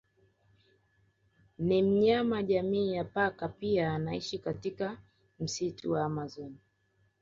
Ni mnyama jamii ya paka pia anaishi katika msitu wa amazon